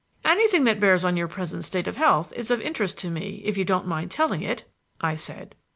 "Anything that bears on your present state of health is of interest to me if you don't mind telling it," I said.